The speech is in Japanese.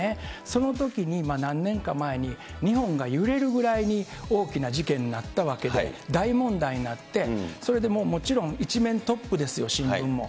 そのときに何年か前に、日本が揺れるぐらいに大きな事件になったわけで、大問題になって、それでもうもちろん、１面トップですよ、新聞も。